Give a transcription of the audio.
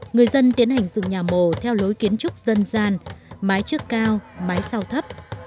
người dân tiến hành dừng nhà mồ theo lối kiến trúc dân gian mái trước cao mái sau thấp